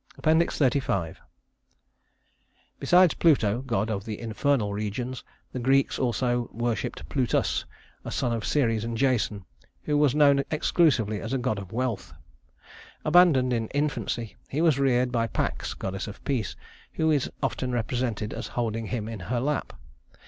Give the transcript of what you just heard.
XXXV Besides Pluto, god of the Infernal Regions, the Greeks also worshiped Plutus, a son of Ceres and Jason, who was known exclusively as a god of wealth. Abandoned in infancy, he was reared by Pax, goddess of peace, who is often represented as holding him in her lap.